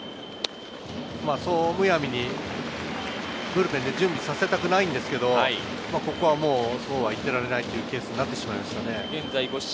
そうむやみにブルペンで準備させたくないんですけれど、ここはそうは言ってられないケースになってきました。